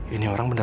ini orang beneran